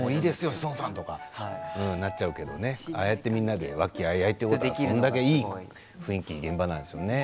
志尊さんとかなっちゃうけどああやってみんなで和気あいあいいい雰囲気の現場なんでしょうね。